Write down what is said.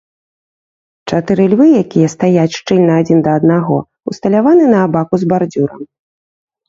Чатыры львы, якія стаяць шчыльна адзін да аднаго, усталяваны на абаку з бардзюрам.